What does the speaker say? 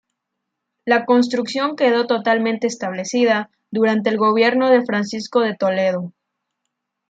La construcción quedó totalmente establecida durante el gobierno de Francisco de Toledo.